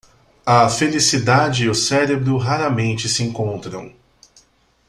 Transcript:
A felicidade e o cérebro raramente se encontram.